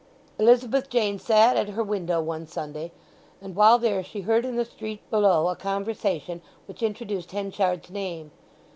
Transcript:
Elizabeth Jane sat at her window one Sunday, and while there she heard in the street below a conversation which introduced Henchard's name.